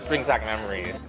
jadi ini membawa keinginan